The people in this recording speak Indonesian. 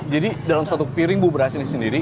jadi dalam satu piring bubur ase ini sendiri